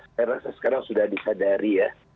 saya rasa sekarang sudah disadari ya